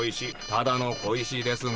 ただの小石ですね？